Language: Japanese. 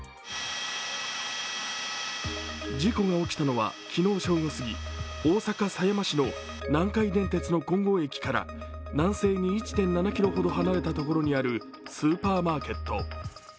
事故が起きたのは昨日正午すぎ大阪狭山市の南海電鉄の金剛駅から南西に１．７ｋｍほど離れたところにあるスーパーマーケット。